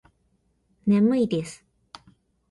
眠いです